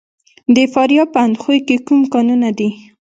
د فاریاب په اندخوی کې کوم کانونه دي؟